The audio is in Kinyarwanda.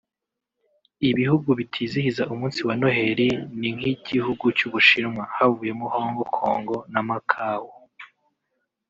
Ibihugu bitizihiza umunsi wa Noheli ni nk’igihugu cy’Ubushinwa (havuyemo Hongo Kongo na Macao)